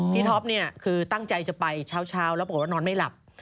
ท็อปเนี่ยคือตั้งใจจะไปเช้าแล้วปรากฏว่านอนไม่หลับ